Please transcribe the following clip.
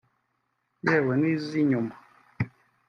yewe n’ iz’ inyuma